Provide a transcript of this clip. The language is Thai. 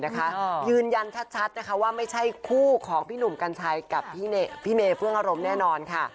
ยืนยันชัดนะคะว่าไม่ใช่คู่ของพี่หนุ่มกัญชัยกับพี่เมย์เฟื่องอารมณ์แน่นอนค่ะ